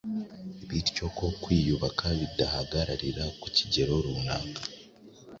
bityo ko kwiyubaka bidahagararira ku kigero runaka